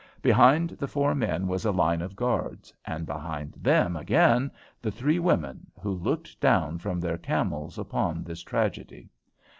Behind the four men was a line of guards, and behind them again the three women, who looked down from their camels upon this tragedy.